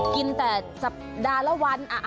กินแต่สัปดาห์ละวัน